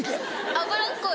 脂っこい。